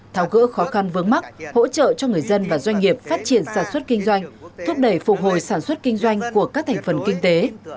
tháo gỡ khó khăn vướng mắt hỗ trợ cho người dân và doanh nghiệp phát triển sản xuất kinh doanh thúc đẩy phục hồi sản xuất kinh doanh của các thành phần kinh tế